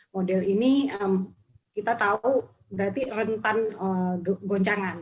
model ini kita tahu berarti rentan goncangan